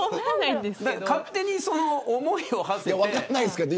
勝手に思いをはせて。